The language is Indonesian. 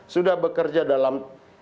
sudah bekerja dalam